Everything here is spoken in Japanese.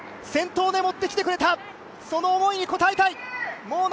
仲間は先頭で持ってきてくれた、その思いに応えたい。